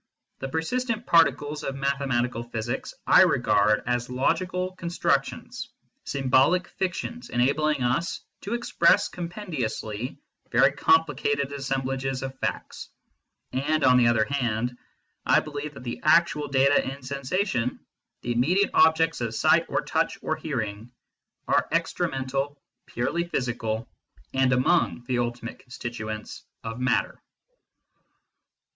The persistent particles of mathematical physics I regard as logical constructions, symbolic fictions enabling us to express compendiously very complicated assemblages of facts ; and, on the other hand, I believe that the actual data in sensation, the immediate objects of sight or touch or hearing, are extra mental, purely physical, and among the ultimate constituents of matter.